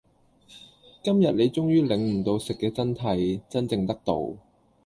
今日你終於領悟到食嘅真諦，真正得道